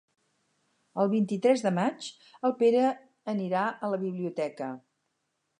El vint-i-tres de maig en Pere irà a la biblioteca.